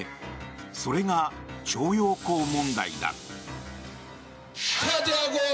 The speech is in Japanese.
それが徴用工問題だ。